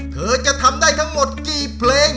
เธอจะทำได้ทั้งหมดกี่เพลง